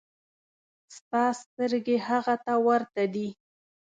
ستا سترګې هغه ته ورته دي.